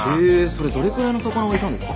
それどれくらいの魚がいたんですか？